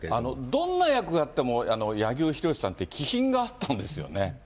どんな役やっても、柳生博さんって気品があったんですよね。